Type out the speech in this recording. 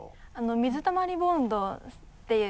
水溜りボンドっていう